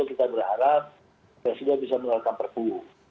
kita berharap presiden bisa melakukan perbu